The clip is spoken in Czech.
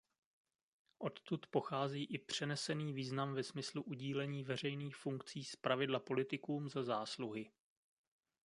Odtud pochází i přenesený význam ve smyslu udílení veřejných funkcí zpravidla politikům za zásluhy.